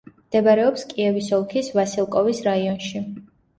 მდებარეობს კიევის ოლქის ვასილკოვის რაიონში.